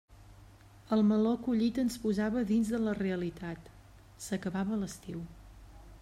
El meló collit ens posava dins de la realitat: s'acabava l'estiu.